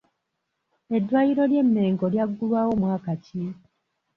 Eddwaliro ly’e Mengo lyaggulwawo mwaki ki?